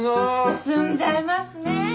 進んじゃいますね。